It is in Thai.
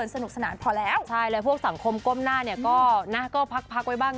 สนุกสนานพอแล้วค่ะแล้วพวกสังคมคมหน้าไหนแล้วก็นักก็พักไว้บ้าง